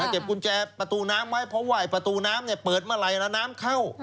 เก็บกุญแจประตูน้ำไว้เพราะว่าประตูน้ำเปิดเมื่อไหร่แล้วน้ำเข้า